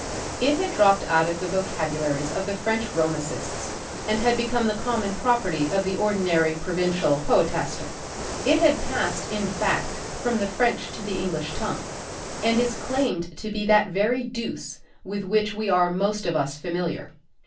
It had dropped out of the vocabularies of the French romancists and had become the common property of the ordinary provincial poetaster. It had passed in fact from the French to the English tongue, and is claimed to be that very deuce with which we are most of us familiar.